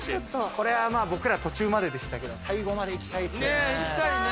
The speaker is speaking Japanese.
これ、僕ら途中まででしたけど、最後まで行きたいですよね。